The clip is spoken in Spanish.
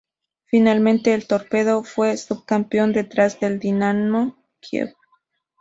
Finalmente el Torpedo fue subcampeón, detrás del Dynamo Kiev.